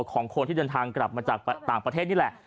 ของคนที่เดินทางกลับมาจากต่างประเทศนี่แหละ